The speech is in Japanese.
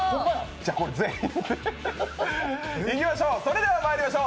じゃあ、これ全員でいきましょう。